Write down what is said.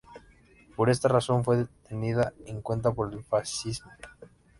Por esta razón fue tenida en cuenta por el fascismo.